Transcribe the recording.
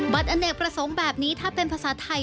อเนกประสงค์แบบนี้ถ้าเป็นภาษาไทย